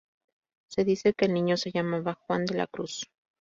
Se dice que el niño se llamaba Juan de la Cruz.